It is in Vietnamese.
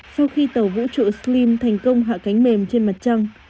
sau khi tàu vũ trụ slim thành công hạ cánh mềm trên mặt trăng